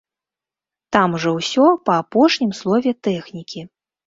Там жа ўсё па апошнім слове тэхнікі.